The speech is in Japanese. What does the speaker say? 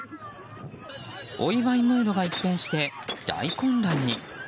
お祝いムードが一転して大混乱に。